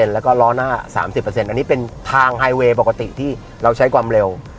แล้วก็ล้อหน้า๓๐อันนี้เป็นทางไฮเวย์ปกติที่เราใช้ความเร็ว